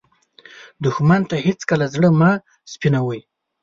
دښمن ته هېڅکله زړه مه سپينوې